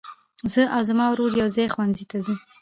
زه او زما ورور يوځای ښوونځي ته ځو.